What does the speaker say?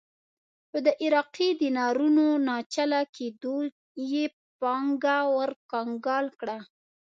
خو د عراقي دینارونو ناچله کېدو یې پانګه ورکنګال کړه.